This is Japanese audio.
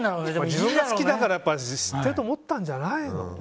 自分が好きだから知ってると思ったんじゃないの？